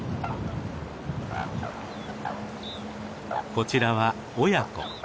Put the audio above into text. こちらは親子。